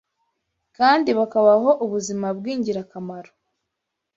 kandi bakabaho ubuzima bw’ingirakamaro